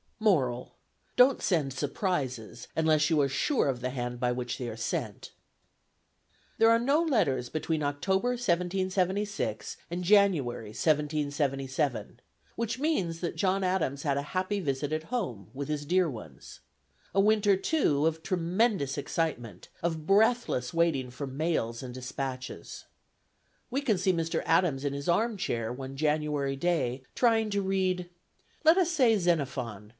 Moral: Don't send "surprises" unless you are sure of the hand by which they are sent. There are no letters between October, 1776, and January, 1777, which means that John Adams had a happy visit at home with his dear ones. A winter, too, of tremendous excitement, of breathless waiting for mails and despatches. We can see Mr. Adams in his arm chair, one January day, trying to read let us say Xenophon!